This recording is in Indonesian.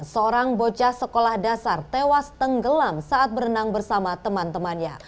seorang bocah sekolah dasar tewas tenggelam saat berenang bersama teman temannya